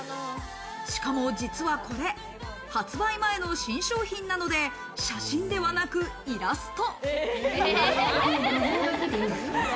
しかも実はこれ、発売前の新商品なので写真ではなくイラスト。